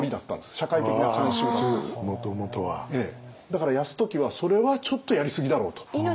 だから泰時はそれはちょっとやりすぎだろうと。